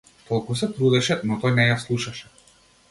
Толку се трудеше, но тој не ја слушаше.